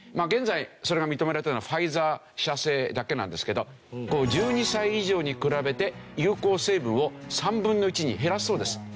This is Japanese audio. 現在それが認められてるのはファイザー社製だけなんですけど１２歳以上に比べて有効成分を３分の１に減らすそうです。